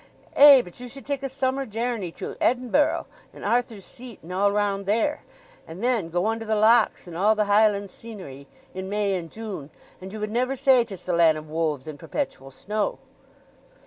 Eh, but you should take a summer jarreny to Edinboro', and Arthur's Seat, and all round there, and then go on to the lochs, and all the Highland scenery—in May and June—and you would never say 'tis the land of wolves and perpetual snow!"